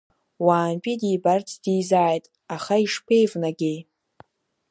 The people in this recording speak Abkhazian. Уаантәы дибарц дизааит, аха ишԥеивнагеи?